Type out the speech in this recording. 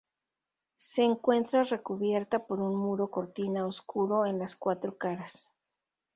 Se encuentra recubierta por un muro cortina oscuro en las cuatro caras.